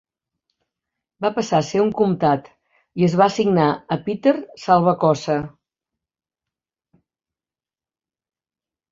Va passar a ser un comtat, i es va assignar a Peter Salvacossa.